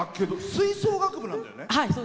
吹奏楽部なんだよね？